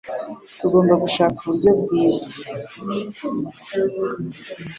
Tugomba gushaka uburyo bwiza.